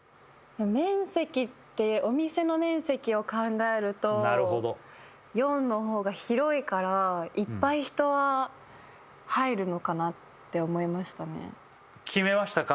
面積ってお店の面積を考えるとなるほど４のほうが広いからいっぱい人は入るのかなって思いましたね決めましたか？